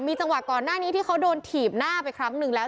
จังหวะก่อนหน้านี้ที่เขาโดนถีบหน้าไปครั้งหนึ่งแล้ว